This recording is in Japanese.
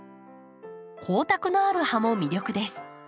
光沢のある葉も魅力です。